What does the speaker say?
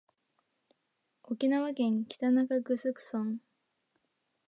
沖縄県北中城村